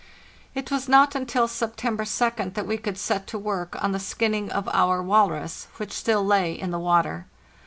It was not until September 2d that we could set to work on the skinning of our walrus, which still lay in the water.